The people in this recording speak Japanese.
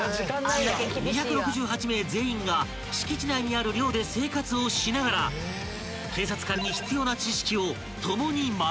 ［２６８名全員が敷地内にある寮で生活をしながら警察官に必要な知識を共に学んでいく］